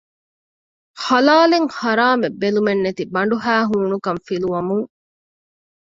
ޙަލާލެއް ޙަރާމެއް ބެލުމެއްނެތި ބަނޑުހައި ހޫނުކަން ފިލުވަމުން